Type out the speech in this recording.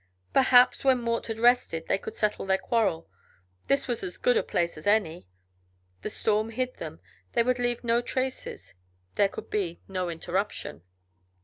Perhaps, when Mort had rested, they could settle their quarrel; this was as good a place as any. The storm hid them, they would leave no traces, there could be no interruption.